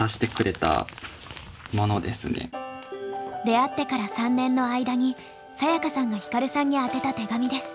出会ってから３年の間にサヤカさんがヒカルさんに宛てた手紙です。